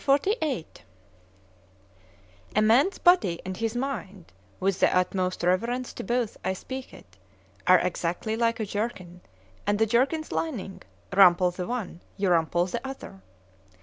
XLVIII A MAN's body and his mind, with the utmost reverence to both I speak it, are exactly like a jerkin, and a jerkin's lining;—rumple the one,—you rumple the other.